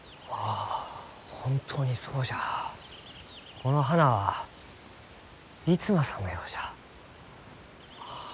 この花は逸馬さんのようじゃ。